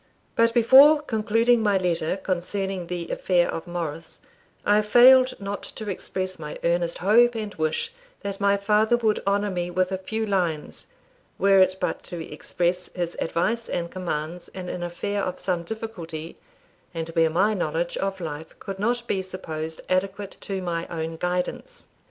But before concluding my letter concerning the affair of Morris, I failed not to express my earnest hope and wish that my father would honour me with a few lines, were it but to express his advice and commands in an affair of some difficulty, and where my knowledge of life could not be supposed adequate to my own guidance.